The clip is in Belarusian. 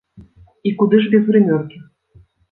І куды ж без грымёркі!